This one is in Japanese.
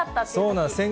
そうなんです。